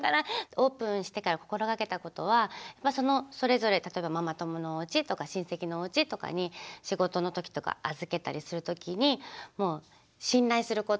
オープンしてから心がけたことはそのそれぞれ例えばママ友のおうちとか親戚のおうちとかに仕事のときとか預けたりするときにもう信頼すること。